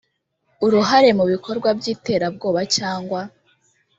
uruhare mu bikorwa by iterabwoba cyangwa.